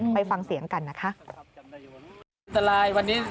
ไปฟังเสียงกันนะคะ